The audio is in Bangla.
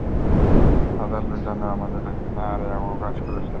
ফাদার লোযানো আমাদের এখানে এর আগেও কাজ করেছেন।